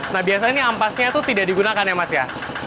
nah biasanya ini ampasnya itu tidak digunakan ya mas ya